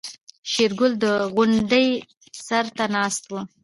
شېرګل د غونډۍ سر ته ناست و.